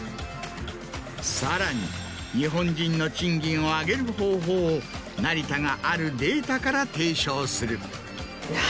さらに日本人の賃金を上げる方法を成田があるデータから提唱する。